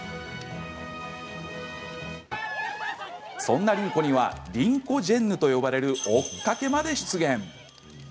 そんな凛子には凛子ジェンヌと呼ばれる追っかけまで出現。